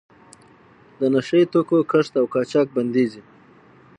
د نشه یي توکو کښت او قاچاق بندیږي.